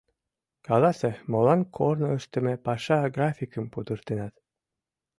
Каласе, молан корно ыштыме паша графикым пудыртенат?